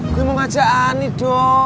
gue mau ngajak ani dong